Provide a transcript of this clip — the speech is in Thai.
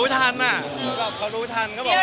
อยากได้แบบไหนคะอยากขอเป็นแฟนค่ะ